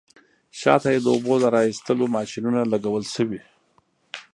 شاته یې د اوبو را ایستلو ماشینونه لګول شوي.